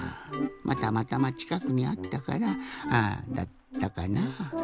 まぁたまたまちかくにあったからだったかな？